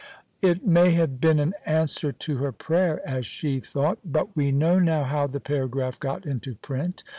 It may have been an answer to her prayer, as she thought, but we know now how the paragraph got into print.